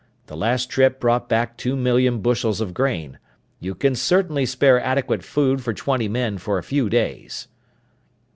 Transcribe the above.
The last trip brought back two million bushels of grain. You can certainly spare adequate food for twenty men for a few days!"